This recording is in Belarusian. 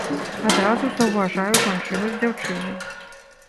Адразу заўважаю жанчыну з дзяўчынай.